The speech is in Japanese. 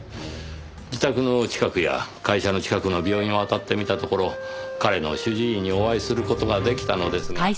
自宅の近くや会社の近くの病院をあたってみたところ彼の主治医にお会いする事が出来たのですが。